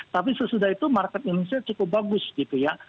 tapi sesudah itu market indonesia cukup bagus gitu ya